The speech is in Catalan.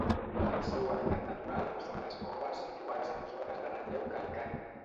El seu hàbitat natural són les coves situades en zones de relleu calcari.